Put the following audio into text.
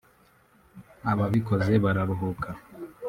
ababikoze bararuhuka